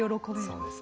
そうですね。